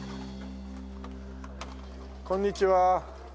こんにちは。